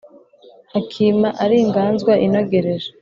Akima ari inganzwa inogereje